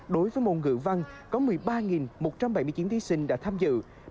đối với môn ngữ văn có một mươi ba một trăm bảy mươi chín thí sinh đã tham dự